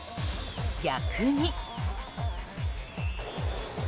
逆に。